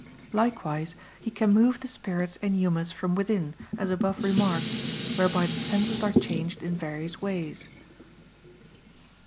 Likewise he can move the spirits and humors from within, as above remarked, whereby the senses are changed in various ways.